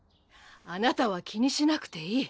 あなたは気にしなくていい。